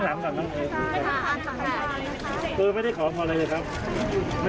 ทุกคนด้านนี้ออกเป็นเกรมชาวเป็นวิ่งแล้วละ